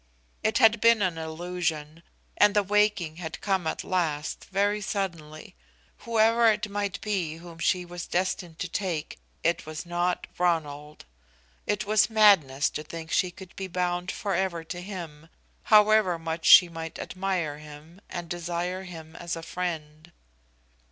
It had been an illusion, and the waking had come at last very suddenly. Whoever it might be whom she was destined to take, it was not Ronald. It was madness to think she could be bound forever to him, however much she might admire him and desire him as a friend.